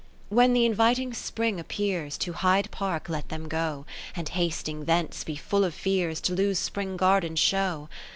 When the inviting Spring appears, To Hyde Park let them go, And hasting thence be full of fears To lose Spring Garden show.